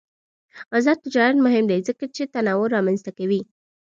آزاد تجارت مهم دی ځکه چې تنوع رامنځته کوي.